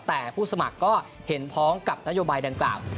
แต่ผู้สมัครก็เห็นพ้องกับนโยบายดังกล่าว